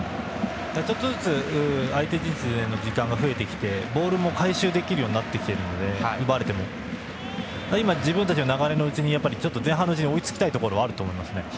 ちょっとずつ相手陣地への時間が増えてきてボールも奪われても回収できるようになってきているので今、自分たちの流れのうちに前半の間に追いつきたいところがあると思いますね。